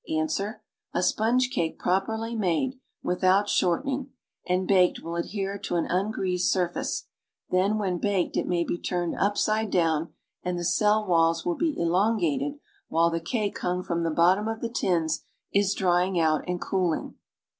Ans. A sponge cake properly made (without shortening) and baked will adhere to an ungreased surface, then when baked it may be turned upside down and the cell walls will be elon gated while the cake hung from the bottom of the tins is drying out and cooling.